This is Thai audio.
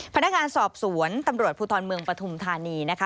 พนักงานสอบสวนตำรวจภูทรเมืองปฐุมธานีนะคะ